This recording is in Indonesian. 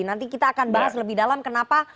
nanti kita akan bahas lebih dalam kenapa